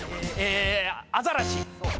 アザラシ。